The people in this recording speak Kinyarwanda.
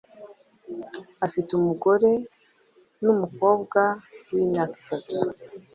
afite umugore numukobwa wimyaka itatu.